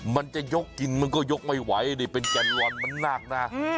มันจะยกกินมันก็ยกไม่ไหวนี่เป็นแกนวอนมันนักนะ